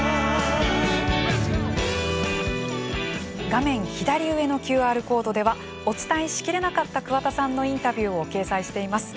画面左上のＱＲコードではお伝えしきれなかった桑田さんのインタビューを掲載しています。